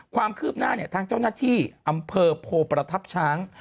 ความคืบหน้าทางเจ้าหน้าที่อำเภอโพประทับช้าง